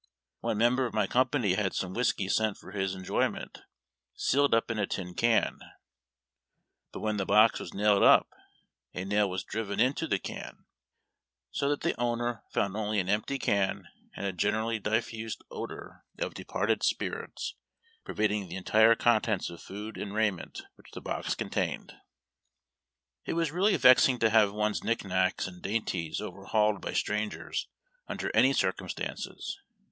One member of my company had some whiskey sent for his en joyment, sealed up in a tin can ; but when the box was nailed up a nail was driven into the can, so that the owner found only an empty can and a generally diffused odor of "departed spirits" pervading the entire contents of food ^nd raiment which the box contained. It was really vexing to have one's knick knacks and dain ties overliauled by strangers under ani/ circumstances, and